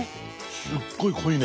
すごい濃いね。